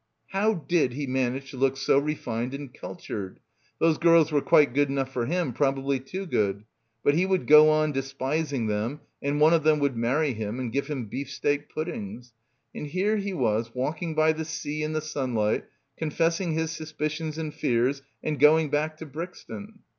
" How did he manage to look so refined and cul tured? Those girls were quite good enough for him, probably too good. But he would go on despising them and one of them would marry him and give him beef steak puddings. And here he was walking by the sea in the sunlight, con fessing his suspicions and fears and going back to Brixton.